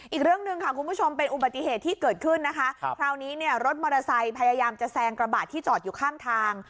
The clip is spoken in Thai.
อีกเรื่องหนึ่งค่ะคุณผู้ชมเป็นอุบัติเหตุที่เกิดขึ้นนะคะคราวนี้เนี่ยรถมอเตอร์ไซค์พยายามจะแซงกระบาดที่จอดอยู่ข้างทาง